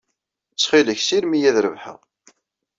Ttxil-k, ssirem-iyi ad rebḥeɣ.